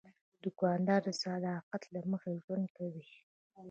دوکاندار د صداقت له مخې ژوند کوي.